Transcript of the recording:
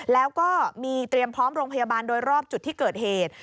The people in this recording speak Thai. แล้วก็มีเตรียมพร้อมโรงพยาบาลโดยรอบจุดที่เกิดเหตุ